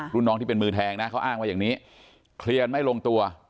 รุ่นน้องที่เป็นมือแทงนะเขาอ้างว่าอย่างนี้เคลียร์ไม่ลงตัว